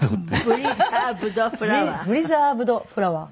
プリザーブドフラワー。